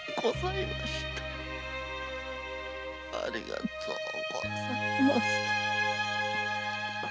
ありがとうございます。